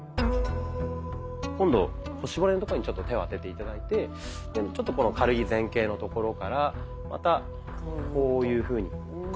今度腰骨のところにちょっと手を当てて頂いてちょっとこの軽い前傾のところからまたこういうふうに。